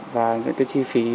và những cái chi phí